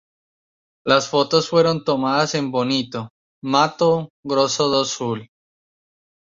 Las fotos fueron tomadas en Bonito, Mato Grosso do Sul.